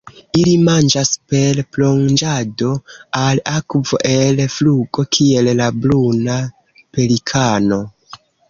Ili manĝas per plonĝado al akvo el flugo, kiel la Bruna pelikano.